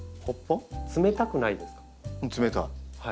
冷たい。